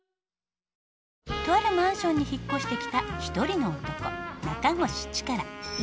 とあるマンションに引っ越してきた一人の男中越チカラ。